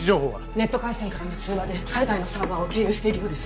ネット回線からの通話で海外のサーバーを経由しているようです